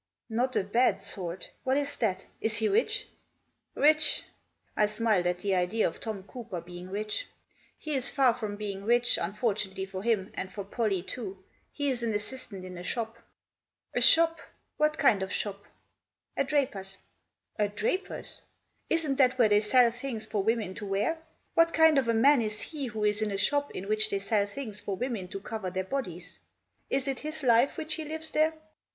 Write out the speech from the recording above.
" Not a bad sort ? What is that ? Is he rich ?"" Rich !" I smiled at the idea of Tom Cooper being rich. m He is very far from being rich, unfortunately for him, and for Pollie too. He is an assistant in a shop." ' Digitized by 128 THE JOSS. " A shop ? What kind of shop ?"" A draper's." " A draper's ? Isn't that where they sell things for women to wear ? What kind of a man is he who is in a shop in which they sell things for women to cover their bodies ? Is it his life which he lives there